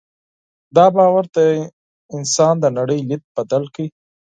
دا باور د انسان د نړۍ لید بدل کړ.